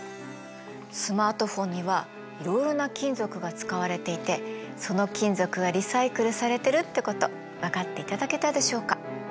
スマートフォンにはいろいろな金属が使われていてその金属はリサイクルされてるってこと分かっていただけたでしょうか。